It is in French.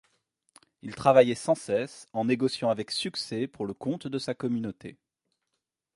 Il travaillait sans cesse, en négociant avec succès pour le compte de sa communauté.